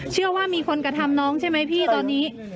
เชื่อว่ามีคนกระทำน้องใช่ไหมพี่ตอนนี้